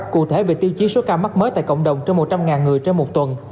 cụ thể về tiêu chí số ca mắc mới tại cộng đồng trên một trăm linh người trên một tuần